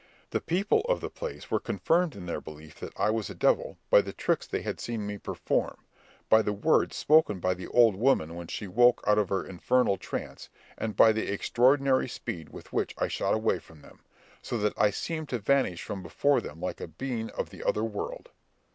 The people of the place were confirmed in their belief that I was a devil by the tricks they had seen me perform, by the words spoken by the old woman when she woke out of her infernal trance, and by the extraordinary speed with which I shot away from them, so that I seemed to vanish from before them like a being of the other world.